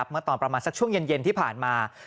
เมื่อตอนประมาณสักช่วงเย็นที่ผ่านมา